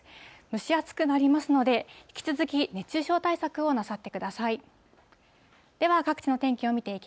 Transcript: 蒸し暑くなりますので、引き続き熱中症対策をなさってください。